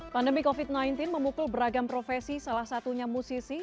pandemi covid sembilan belas memukul beragam profesi salah satunya musisi